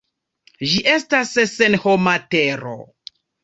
Ĝi estas senhoma tero.